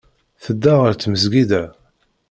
Tedda ɣer tmesgida.